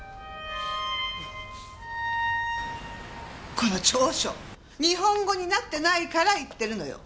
この調書日本語になってないから言ってるのよ。